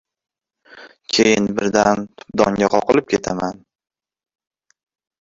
Keyin birdan tupdonga qoqilib ketaman.